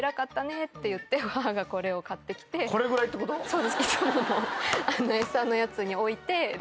そうです。